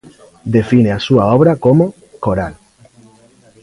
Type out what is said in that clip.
Define a súa obra como "coral".